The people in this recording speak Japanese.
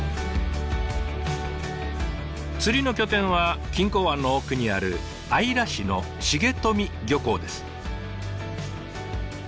釣りの拠点は錦江湾の奥にある姶良市の重富漁港です。